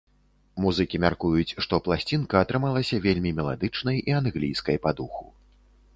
Музыкі мяркуюць, што пласцінка атрымалася вельмі меладычнай і англійскай па духу.